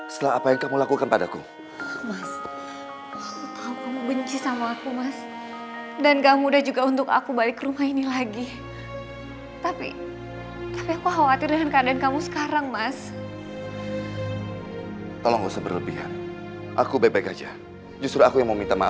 sampai jumpa di video selanjutnya